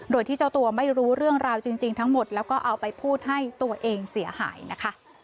โดยที่เจ้าตัวไม่รู้เรื่องราวจริงทั้งหมดแล้วก็เอาไปพูดให้ตัวเองเสียหายนะคะ